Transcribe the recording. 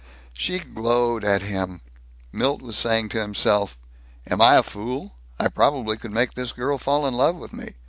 She glowed at him. Milt was saying to himself, "Am I a fool? I probably could make this girl fall in love with me.